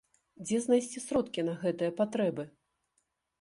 Дзе знайсці сродкі на гэтыя патрэбы?